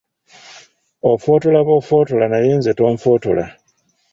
Ofootola b’ofootola naye nze tonfootola.